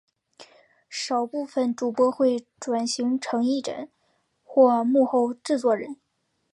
少部份主播会转型成艺人或幕后制作人。